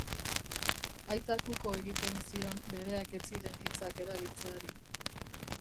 Aitak uko egiten zion bereak ez ziren hitzak erabiltzeari.